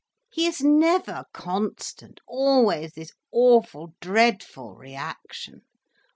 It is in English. He is never constant, always this awful, dreadful reaction.